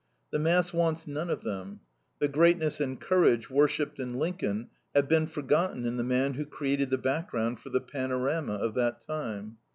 The mass wants none of them. The greatness and courage worshipped in Lincoln have been forgotten in the men who created the background for the panorama of that time.